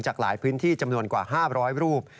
จากหลายพื้นที่จำนวนกว่า๕๐๐รูป